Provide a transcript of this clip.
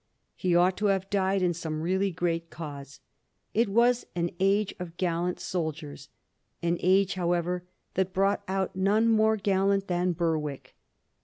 He ought to have died in some really great cause ; it was an age of gallant soldiers — an age, however, that brought out none more gallant than Berwick.